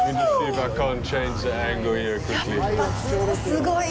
すごい！